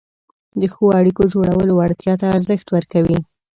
د ښو اړیکو جوړولو وړتیا ته ارزښت ورکوي،